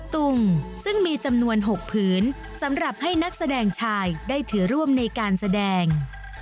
ตุงซึ่งมีจำนวน๖ผืนสำหรับให้นักแสดงชายได้ถือร่วมในการแสดง